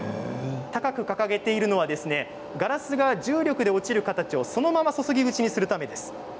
高く掲げているのはガラスが重力で落ちる形をそのまま注ぎ口にするためです。